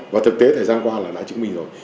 và thực tế thời gian qua là đã chứng minh rồi